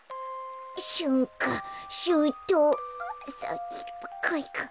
しゅんかしゅうとうあさひるかいか。